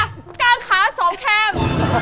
กล้ามขาสองแคม